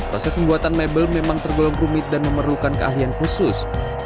proses pembuatan mebel memang tergolong rumit dan memerlukan keahlian khusus